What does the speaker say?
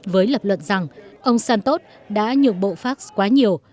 với lập luận rằng ông santos đã nhược bộ facs quá nhiều